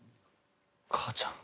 母ちゃん？